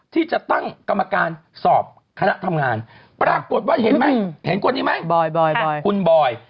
ที่จะตั้งกรรมการสอบคณะทำงานปรากฏว่าเห็นไหมเห็นคนนี้ไหมคุณบอย